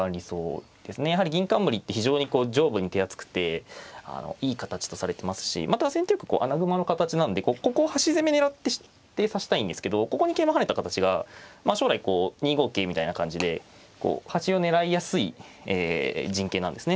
やはり銀冠って非常に上部に手厚くていい形とされてますしまたは先手玉穴熊の形なのでここを端攻め狙って指したいんですけどここに桂馬跳ねた形が将来こう２五桂みたいな感じで端を狙いやすい陣形なんですね。